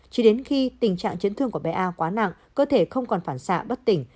chỉ đến khi tình trạng chấn thương của bé a quá nặng cơ thể không còn phản xạ bất tỉnh